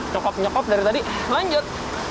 nyokop nyokop dari tadi melanjut